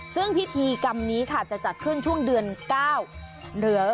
ซึ่งพิธีกรรมนี้ค่ะจะจัดขึ้นช่วงเดือน๙หรือ